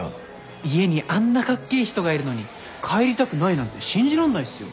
家にあんなかっけえ人がいるのに帰りたくないなんて信じらんないっすよ。